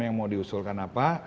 yang mau diusulkan apa